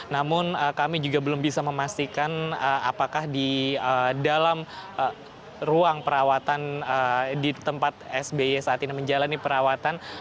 namun kami juga belum bisa memastikan apakah di dalam ruang perawatan di tempat sby saat ini menjalani perawatan